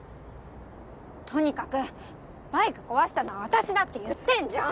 とにかくバイク壊したのは私だって言ってんじゃん！